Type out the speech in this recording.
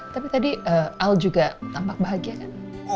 tapi tadi al juga tampak bahagia kan